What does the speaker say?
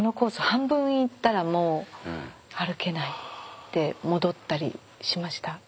半分行ったらもう歩けないで戻ったりしました。